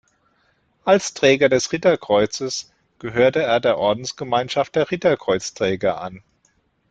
Als Träger des Ritterkreuzes gehörte er der Ordensgemeinschaft der Ritterkreuzträger an.